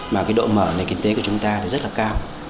mà cái độ mở nền kinh tế của chúng ta là rất là cao